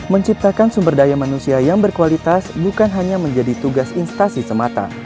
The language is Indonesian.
menciptakan sumber daya manusia yang berkualitas bukan hanya menjadi tugas instasi semata